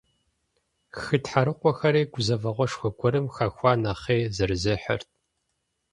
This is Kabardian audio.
Хы тхьэрыкъуэхэри, гузэвэгъуэшхуэ гуэрым хэхуа нэхъей, зэрызехьэрт.